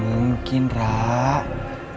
dewi suka beneran sama opa